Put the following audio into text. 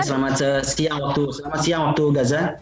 selamat siang waktu gaza